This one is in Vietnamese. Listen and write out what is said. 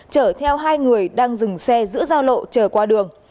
chở theo hai người đang dừng xe giữa giao lộ trở qua đường